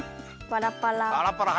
パラパラ。